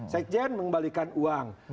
sekjen mengembalikan uang